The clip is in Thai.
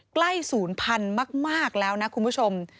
ศูนย์พันธุ์มากแล้วนะคุณผู้ชม